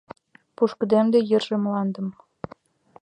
Пушкыдемде йырже мландым —